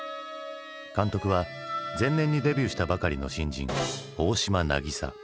監督は前年にデビューしたばかりの新人大島渚。